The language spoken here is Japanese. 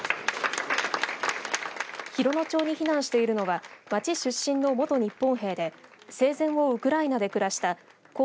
洋野町に避難しているのは町出身の元日本兵で生前をウクライナで暮らした故